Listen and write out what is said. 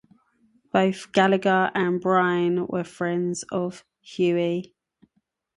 Both Gallagher and Byrne were friends of Haughey.